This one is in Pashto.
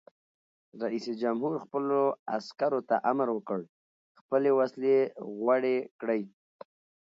رئیس جمهور خپلو عسکرو ته امر وکړ؛ خپلې وسلې غوړې کړئ!